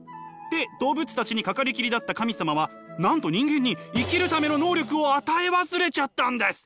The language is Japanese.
で動物たちに掛かりきりだった神様はなんと人間に生きるための能力を与え忘れちゃったんです。